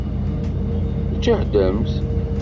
Tǧehdemt?